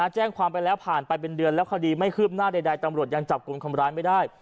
แจ้งความไปแล้วผ่านไปเป็นเดือนแล้วคดีไม่คืบหน้าใดตำรวจยังจับกลุ่มคนร้ายไม่ได้